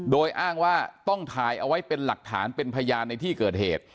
โดยอ้างว่าต้องถ่ายเอาไว้เป็นหลักฐานเป็นพยานในที่เกิดเหตุ